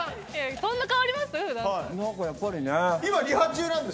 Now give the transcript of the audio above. そんな変わります？